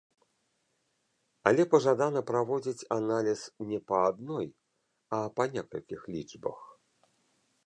Але пажадана праводзіць аналіз не па адной, а па некалькіх лічбах.